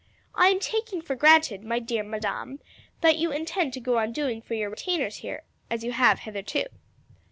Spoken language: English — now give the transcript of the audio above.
I am taking for granted, my dear Madame, that you intend to go on doing for your retainers here as you have hitherto."